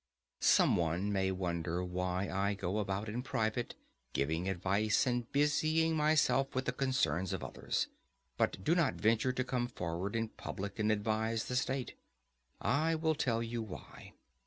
Some one may wonder why I go about in private giving advice and busying myself with the concerns of others, but do not venture to come forward in public and advise the state. I will tell you why.